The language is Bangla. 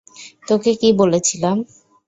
তোকে কী বলে ছিলাম?